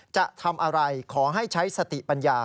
จะทำอะไรขอให้ใช้สติปัญญา